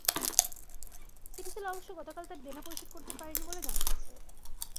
সিটিসেল অবশ্য গতকাল তার দেনা পরিশোধ করতে পারেনি বলে জানা গেছে।